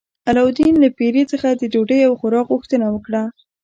علاوالدین له پیري څخه د ډوډۍ او خوراک غوښتنه وکړه.